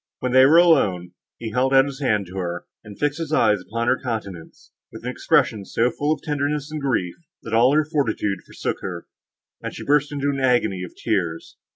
When they were alone, he held out his hand to her, and fixed his eyes upon her countenance, with an expression so full of tenderness and grief, that all her fortitude forsook her, and she burst into an agony of tears.